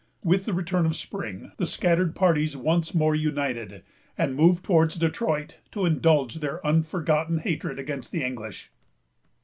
With the return of spring, the scattered parties once more united, and moved towards Detroit, to indulge their unforgotten hatred against the English.